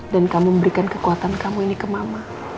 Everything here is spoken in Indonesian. dan kamu memberikan kekuatan kamu ini ke mama